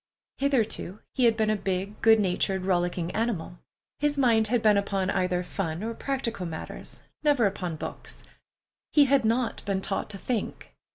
Hitherto he had been a big, good natured, rollicking animal. His mind had been upon either fun or practical matters, never upon books. He had not been taught to think.